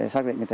xác định như thế